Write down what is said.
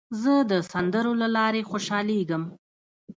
زه د سندرو له لارې خوشحالېږم.